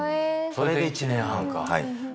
それで１年半か。